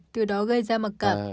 từ đó gây ra mặc cẩn